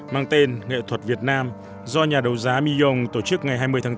mang tên nghệ thuật việt nam do nhà đấu giá millon tổ chức ngày hai mươi tháng bốn